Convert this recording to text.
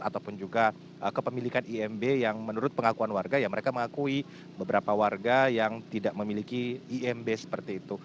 ataupun juga kepemilikan imb yang menurut pengakuan warga ya mereka mengakui beberapa warga yang tidak memiliki imb seperti itu